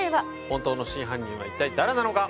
本当の真犯人は一体誰なのか？